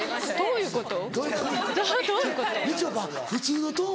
「どういうこと？」。